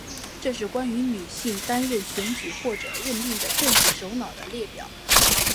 这是关于女性担任选举或者任命的政府首脑的列表。